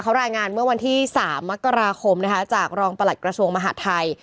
เขารายงานเมื่อวันที่๓มกราคมนะคะจากรองประหลัดกระทรวงมหาดไทย